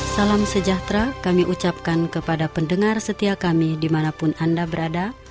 salam sejahtera kami ucapkan kepada pendengar setia kami dimanapun anda berada